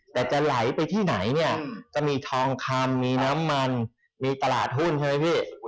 แต่จะไหลไปที่ไหนเนี่ยจะมีทองคำมีน้ำมันมีตลาดหุ้นใช่ไหมพี่